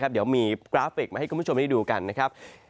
เดี๋ยวมีกราฟิกมาให้คุณผู้ชมได้ดูกันนะครับ